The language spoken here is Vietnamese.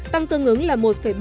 tăng tương ứng là một ba